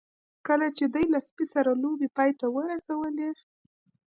کله چې دوی له سپي سره لوبې پای ته ورسولې